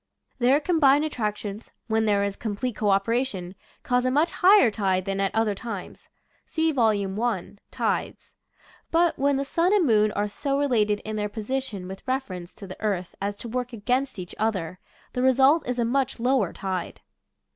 Their com bined attractions, when there is complete co operation, cause a much higher tide than at other times. (See Vol. I, "Tides.") But when the sun and moon are so related in their position with reference to the earth as to work against each other, the result is a much lower tide.